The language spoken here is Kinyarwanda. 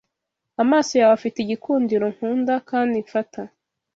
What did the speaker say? Amaso yawe afite igikundiro nkunda kandi mfata